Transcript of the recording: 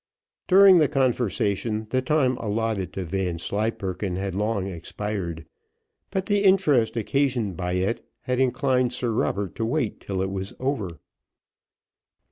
During the conversation, the time allotted to Vanslyperken had long expired, but the interest occasioned by it had inclined Sir Robert to wait till it was over.